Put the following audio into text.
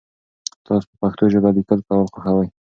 تاسو په پښتو ژبه لیکنه کول خوښوئ؟